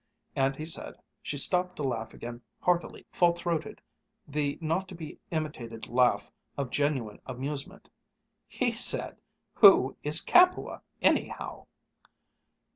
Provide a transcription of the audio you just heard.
and he said," she stopped to laugh again, heartily, full throated, the not to be imitated laugh of genuine amusement, "he said, 'Who is Capua, anyhow?'"